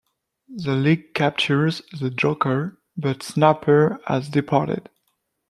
The League captures the Joker, but Snapper has departed.